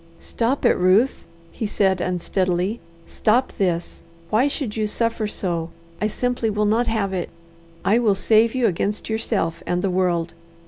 "Stop it, Ruth!" he said unsteadily. "Stop this! Why should you suffer so? I simply will not have it. I will save you against yourself and the world.